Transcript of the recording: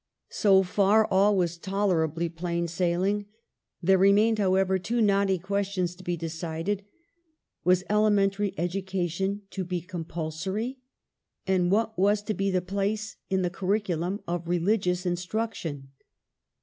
So far all was tolerably plain sailing. There remained, however, two knotty questions to be decided : Was elementary education to be compulsory ? And, what was to be the place in the curriculum of religious instruction